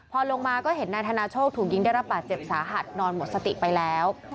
พอลงมาก็เห็นนายธนาโชคถูกยิงได้รับบาดเจ็บสาหัสนอนหมดสติไปแล้ว